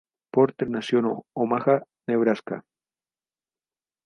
Porter nació en Omaha, Nebraska.